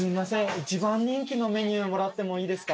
一番人気のメニューもらってもいいですか？